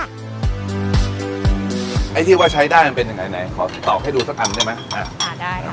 ไอ้ที่ว่าใช้ได้มันเป็นยังไงไหนขอตอบให้ดูสักอันใช่ไหมอ่าได้ครับ